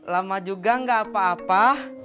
lama juga gak apa apa